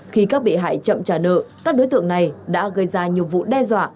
khi các bị hại chậm trả nợ các đối tượng này đã gây ra nhiều vụ đe dọa